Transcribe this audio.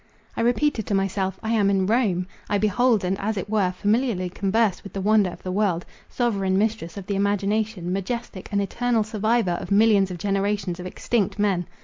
I repeated to myself,—I am in Rome! I behold, and as it were, familiarly converse with the wonder of the world, sovereign mistress of the imagination, majestic and eternal survivor of millions of generations of extinct men.